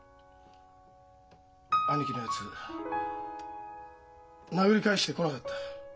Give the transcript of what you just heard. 兄貴のやつ殴り返してこなかった。